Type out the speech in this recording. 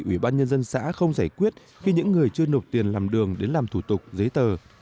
ủy ban nhân dân xã không giải quyết khi những người chưa nộp tiền làm đường đến làm thủ tục giấy tờ